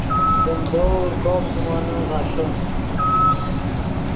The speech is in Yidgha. دیم دور کوب زیمونے غیݰے